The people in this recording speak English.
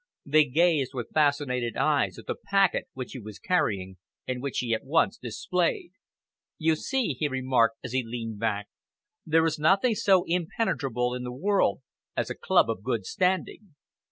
They gazed with fascinated eyes at the packet which he was carrying and which he at once displayed. "You see," he remarked, as he leaned back, "there is nothing so impenetrable in the world as a club of good standing.